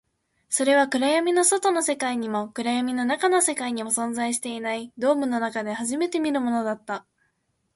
それは暗闇の外の世界にも、暗闇の中の世界にも存在していない、ドームの中で初めて見るものだった